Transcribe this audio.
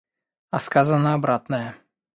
А сказано обратное.